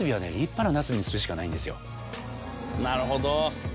なるほど。